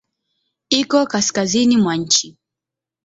Iko kaskazini mwa nchi.